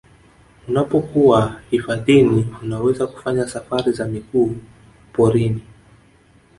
Unapokuwa hifadhini unaweza kufanya safari za miguu porini